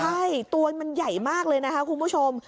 ใช่ตัวมันใหญ่มากเลยนะคะคุณผู้ชม